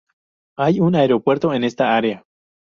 Hay un aeropuerto en esta área.